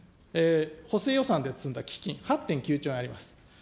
補正予算で積んだ基金、８．９兆円あります。